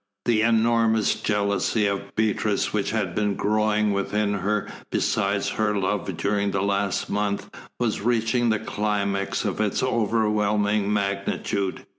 The enormous jealousy of Beatrice which had been growing within her beside her love during the last month was reaching the climax of its overwhelming magnitude.